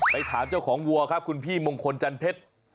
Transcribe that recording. ไปถามเจ้าของวัวครับคุณพี่มงคลจันเพชร